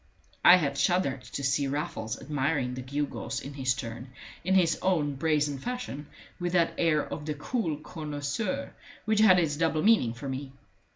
I had shuddered to see Raffles admiring the gewgaws in his turn, in his own brazen fashion, with that air of the cool connoisseur which had its double meaning for me.